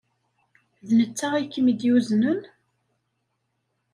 D netta ay kem-id-yuznen?